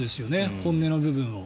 本音の部分を。